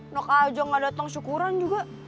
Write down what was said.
noka aja gak dateng syukuran juga